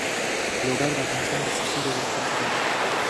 لوگر د افغانستان د سیاسي جغرافیه برخه ده.